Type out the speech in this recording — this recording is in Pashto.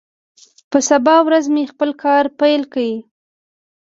په سبا ورځ مې خپل کار پیل کړ.